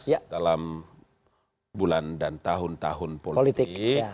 izin mas dalam bulan dan tahun tahun politik